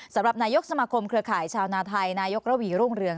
สำหรับนายกสมาคมเครือข่ายชาวนาไทยนายกระวีรุ่งเรือง